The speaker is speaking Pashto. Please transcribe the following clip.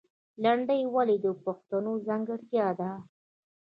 لندۍ ولې د پښتو ځانګړتیا ده؟